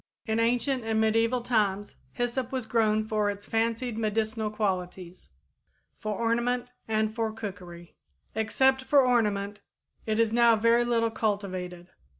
In ancient and medieval times hyssop was grown for its fancied medicinal qualities, for ornament and for cookery. Except for ornament, it is now very little cultivated.